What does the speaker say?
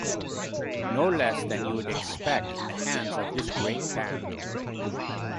No less than you’d expect in the hands of this great band.